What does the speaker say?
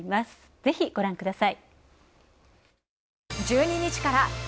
ぜひご覧ください。